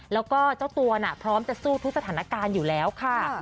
แล้วก็เจ้าตัวพร้อมจะสู้ทุกสถานการณ์อยู่แล้วค่ะ